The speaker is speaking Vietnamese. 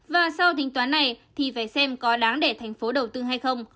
và sau tính toán này thì phải xem có đáng để tp đầu tư hay không